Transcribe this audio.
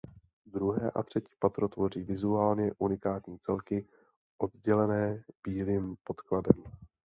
Druhé a třetí patro tvoří vizuálně unikátní celky oddělené bílým podkladem.